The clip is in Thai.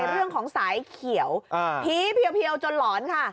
เรื่องของสายเขียวผีเพียวจนหลอนค่ะ